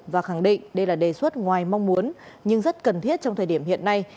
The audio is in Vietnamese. và khẳng định đây là đề xuất ngoài mong muốn nhưng rất cần thiết trong thời điểm hiện nay